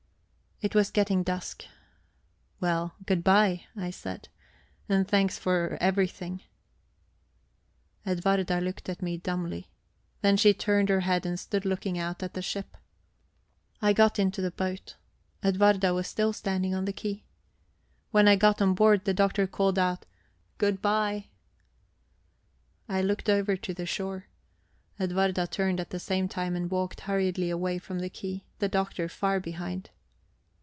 It was getting dusk. "Well, good bye," I said. "And thanks for everything." Edwarda looked at me dumbly. Then she turned her head and stood looking out at the ship. I got into the boat. Edwarda was still standing on the quay. When I got on board, the Doctor called out "Good bye!" I looked over to the shore. Edwarda turned at the same time and walked hurriedly away from the quay, the Doctor far behind.